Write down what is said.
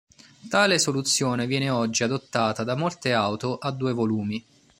Tale soluzione viene oggi adottata da molte auto a due volumi.